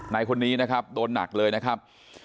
นายคนนี้นะครับโดนหนักเลยนะครับ